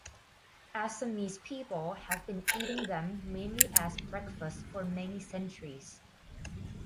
Assamese people have been eating them mainly as breakfast for many centuries.